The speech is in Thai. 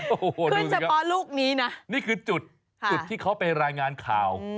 โอ้โหดูสิครับนี่คือจุดที่เขาไปรายงานข่าว